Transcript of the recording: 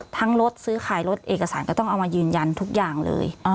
รถซื้อขายรถเอกสารก็ต้องเอามายืนยันทุกอย่างเลย